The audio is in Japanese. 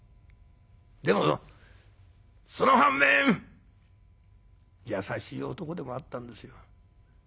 でもその反面優しい男でもあったんですよ。